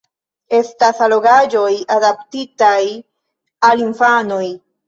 Estas allogaĵoj adaptitaj al infanoj.